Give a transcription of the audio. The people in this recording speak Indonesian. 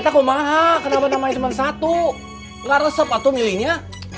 gak resep waktu milihnya